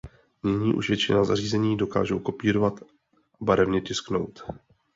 Nyní už většina zařízení dokážou kopírovat a barevně tisknout.